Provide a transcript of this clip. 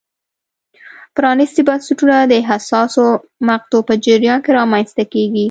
پرانیستي بنسټونه د حساسو مقطعو په جریان کې رامنځته کېږي.